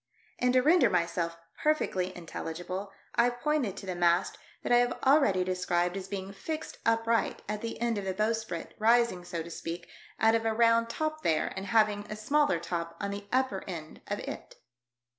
And to render myself perfectly intelligible, I pointed to the mast I HOLD A CONVERSATION WITH THE CREW. 1 59 that I have already described as being fixed upright at the end of the bowsprit, rising, so to speak, out of a round top there, and having a smaller top on the upper end of it.